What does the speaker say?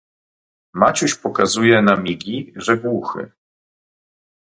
"Maciuś pokazuje na migi, że głuchy."